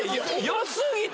良過ぎて。